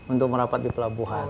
untuk merapat di pelabuhan